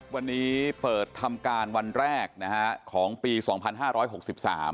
วันนี้เปิดทำการวันแรกนะฮะของปีสองพันห้าร้อยหกสิบสาม